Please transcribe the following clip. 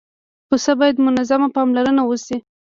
پسه باید منظمه پاملرنه وشي.